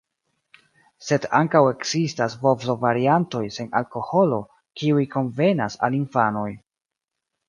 Sed ankaŭ ekzistas bovlo-variantoj sen alkoholo, kiuj konvenas al infanoj.